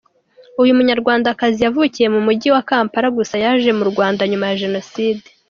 Uyu munyarwandakazi yavukiye mu Mujyi wa Kampala gusa yaje mu Rwanda nyuma ya Jenoside.